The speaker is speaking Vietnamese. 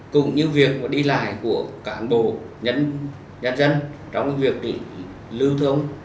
cũng như việc đi lại của cảng bộ nhân dân trong việc trị lưu thông